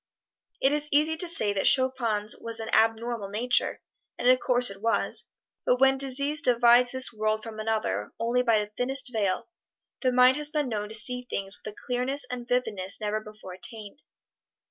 It is easy to say that Chopin's was an abnormal nature, and of course it was, but when disease divides this world from another only by the thinnest veil, the mind has been known to see things with a clearness and vividness never before attained.